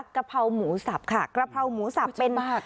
กะเพราหมูสับค่ะกระเพราหมูสับเป็น